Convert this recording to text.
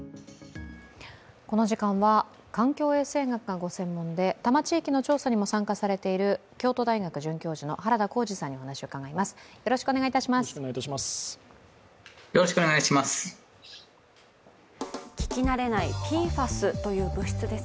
この時間は環境衛生学がご専門で多摩地域の調査にも参加されている京都大学准教授の原田浩二さんにお話を伺います。